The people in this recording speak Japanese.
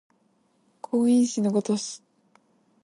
光陰矢のごとし